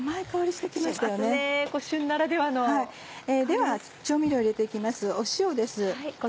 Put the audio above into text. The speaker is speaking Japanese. しますね旬ならではの。では調味料を入れて行きます塩です。